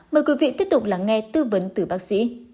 mời quý vị tiếp tục lắng nghe tư vấn từ bác sĩ